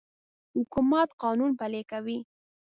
حکومت قانون پلی کوي.